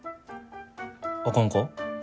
あかんか？